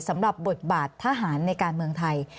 สำหรับบทบาททหารในการเมืองไทย